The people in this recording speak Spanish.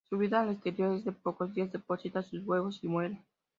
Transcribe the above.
Su vida al exterior es de pocos días: deposita sus huevos y muere.